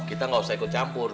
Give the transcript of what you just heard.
kita nggak usah ikut campur